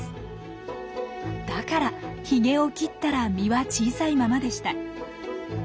だからヒゲを切ったら実は小さいままでした。